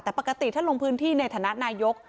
แต่ปกติถ้าลงพื้นที่ในฐานะนายก